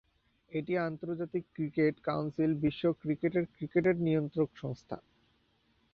এটি আন্তর্জাতিক cricket council, বিশ্বের ক্রিকেটের ক্রিকেটের নিয়ন্ত্রক সংস্থা।